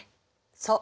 そう。